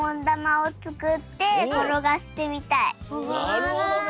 なるほどね！